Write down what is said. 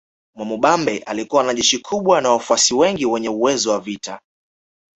Mwamubambe alikuwa na jeshi kubwa na wafuasi wengi wenye uwezo wa vita